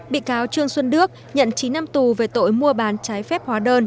bị cáo trương xuân đức nhận chín năm tù về tội mua bán trái phép hóa đơn